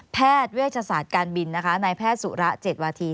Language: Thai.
แพทย์เวชศาสตร์การบินนะคะนายแพทย์สุระ๗วาธี